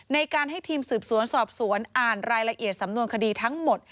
ในการให้ทีมสืบสวนสอบสวนอ่านรายละเอียดสำนวนคดีทั้งหมด